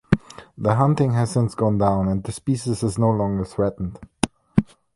The hunting has since gone down and the species is no longer threatened.